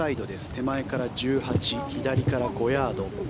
手前から１８、左から５ヤード。